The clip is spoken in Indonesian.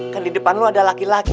kan di depan lo ada laki laki